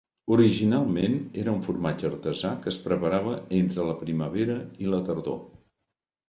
Originalment era un formatge artesà que es preparava entre la primavera i la tardor.